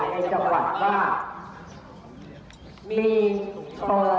ได้รู้สึกจากท่านสวัสดีใหญ่ในจังหวัดว่า